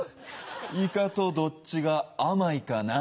イカとどっちが甘いかな。